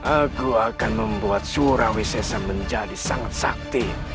aku akan membuat surawi sesam menjadi sangat sakti